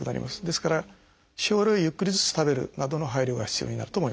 ですから少量をゆっくりずつ食べるなどの配慮が必要になると思います。